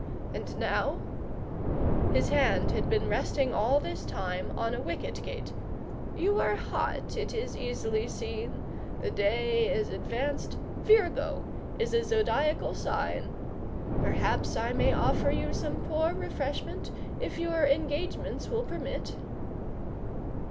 And now " his hand had been resting all this time on a wicket gate "you are hot, it is easily seen; the day is advanced, Virgo is the Zodiacal sign. Perhaps I may offer you some poor refreshment, if your engagements will permit."